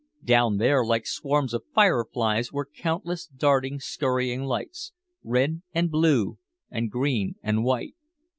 Down there like swarms of fire flies were countless darting skurrying lights, red and blue and green and white.